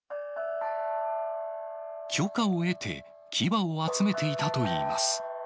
許可を得て、牙を集めていたといいます。